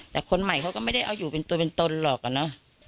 แต่คนใหม่เขาก็ไม่ได้เอาอยู่เป็นตัวเป็นตนหรอกอะเนอะ